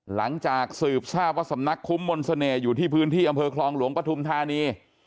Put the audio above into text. หลังจากสืบทราบว่าสำนักคุ้มมนต์เสน่ห์อยู่ที่พื้นที่อำเภอคลองหลวงปฐุมธานี